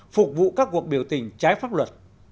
phục vụ các cuộc biểu tình trái pháp luật